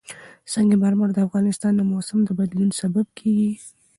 سنگ مرمر د افغانستان د موسم د بدلون سبب کېږي.